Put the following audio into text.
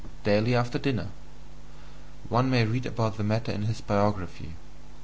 daily after dinner: one may read about the matter in his biography.